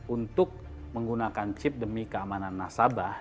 untuk menggunakan chip demi keamanan nasabah